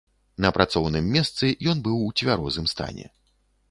На працоўным месцы ён быў у цвярозым стане.